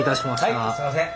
はいすいません。